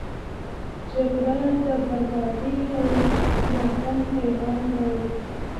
جګړه د بربادي او ماتم پیغام راوړي.